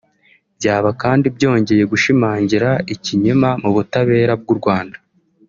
Byaba kandi byongeye gushimangira ikinyoma mu butabera bw’u Rwanda